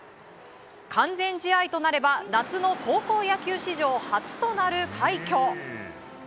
完全試合となれば夏の高校野球史上初となる快挙。